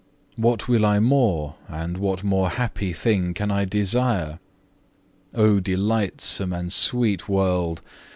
What will I more, and what more happy thing can I desire? O delightsome and sweet world!